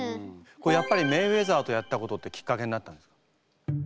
やっぱりメイウェザーとやったことってきっかけになったんですか？